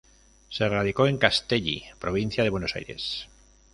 Se radicó en Castelli, provincia de Buenos Aires.